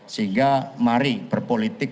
sehingga mari berpolitik